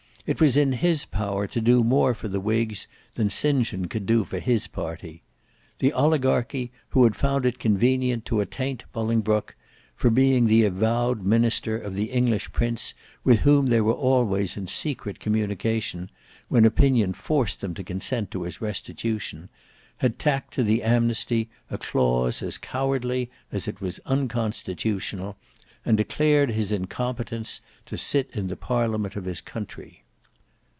It was in his power to do more for the whigs than St John could do for his party. The oligarchy, who had found it convenient to attaint Bolingbroke for being the avowed minister of the English Prince with whom they were always in secret communication, when opinion forced them to consent to his restitution, had tacked to the amnesty a clause as cowardly as it was unconstitutional, and declared his incompetence to sit in the parliament of his country.